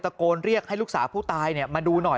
โกนเรียกให้ลูกสาวผู้ตายมาดูหน่อย